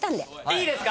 いいですか？